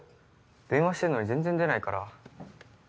電話してんのに全然出ないから。